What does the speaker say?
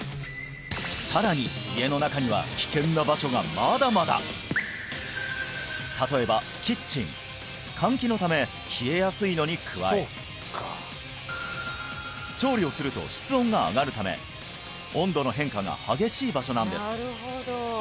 さらに家の中には危険な場所がまだまだ例えばキッチンのに加え調理をすると室温が上がるため温度の変化が激しい場所なんです